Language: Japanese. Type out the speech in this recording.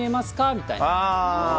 みたいな。